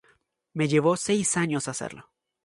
Me llevó seis años hacerlo".